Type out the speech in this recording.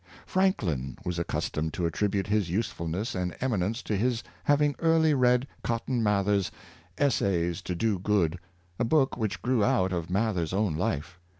'' Franklin was accustomed to attribute his usefulness and eminence to his havino earlv read Cotton Mather's " Essavs to do o:ood.'' a book which o rew out of Mather's own life.